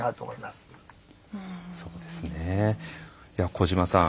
小島さん